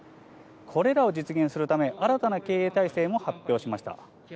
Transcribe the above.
これらを実現するため、新たな経営体制も発表しました。